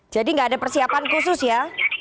jadi tidak ada persiapan khusus ya